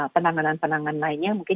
penanganan penangan lainnya mungkin